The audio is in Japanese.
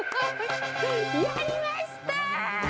やりました！